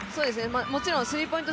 もちろんスリーポイント